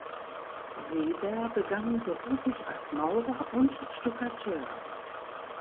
Seeber begann beruflich als Maurer und Stuckateur.